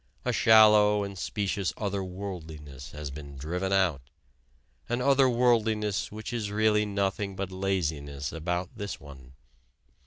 A shallow and specious other worldliness has been driven out: an other worldliness which is really nothing but laziness about this one.